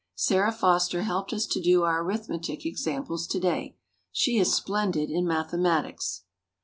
Sarah Foster helped us to do our arithmetic examples to day. She is splendid in mathematics.